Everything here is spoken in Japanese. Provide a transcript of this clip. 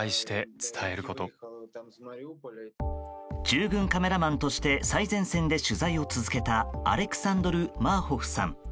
従軍カメラマンとして最前線で取材を続けたアレクサンドル・マーホフさん。